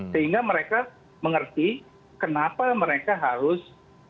sehingga mereka mengerti kenapa mereka harus